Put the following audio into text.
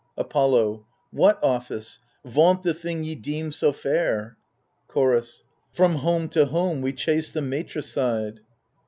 Apollo What office ? vaunt the thing ye deem so fair. Chorus From home to home we chase the matricide.